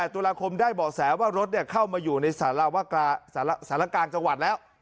ตุลาคมได้เบาะแสว่ารถเข้ามาอยู่ในสารกลางจังหวัดแล้ว